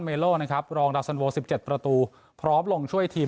เลโลนะครับรองดาสันโว๑๗ประตูพร้อมลงช่วยทีม